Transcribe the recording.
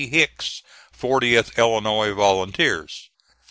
Hicks, 40th Illinois Volunteers.